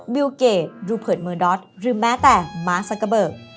บิลเกย์รูเปิดเมอร์ดอทหรือแม้แต่ม้าซากเบิก